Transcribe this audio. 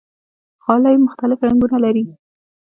غالۍ مختلف رنګونه لري.